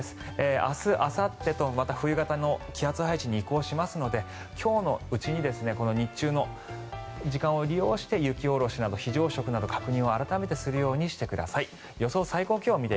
明日あさってとまた冬型の気圧配置に移行しますので今日のうちに日中の時間を利用して雪下ろしなど、非常食など確認を改めてするようにしてください。